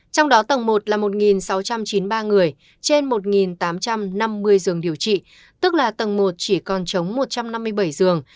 trong đó tầng một là một sáu trăm chín mươi ba người trên một tám trăm năm mươi giường điều trị tức là tầng một chỉ còn chống một trăm năm mươi bảy giường